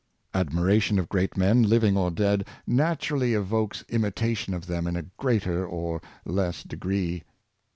Admiration of great men, Hving or dead, naturally evokes imitation of them in a greater or less degree.